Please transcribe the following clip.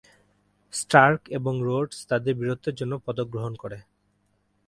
Starc এবং Rhodes তাদের বীরত্বের জন্য পদক গ্রহণ করে।